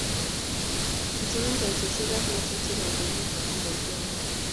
Kitonon kaitoshek ab ngatutik ab emet nebo Uganda